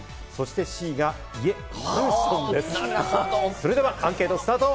それではアンケート、スタート！